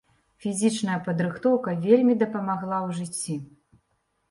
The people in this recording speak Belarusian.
Фізічная падрыхтоўка вельмі дапамагла ў жыцці.